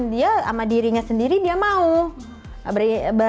dia sama dirinya sendiri dia mau